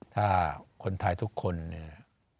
ถ้าคนไทยทุกคนเนี่ย